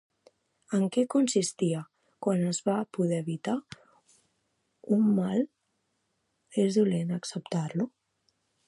En què consistia Quan es pot evitar un mal és dolent acceptar-lo?